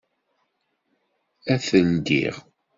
Ad t-ldiɣ.